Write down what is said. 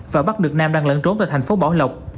và bắt được nam đang lẫn trốn tại thành phố bảo lộc